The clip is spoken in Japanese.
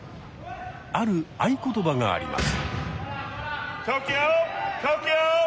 ある「合言葉」があります。